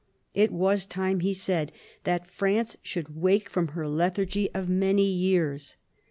It was time, he said, that France should wake from her lethargy of many years.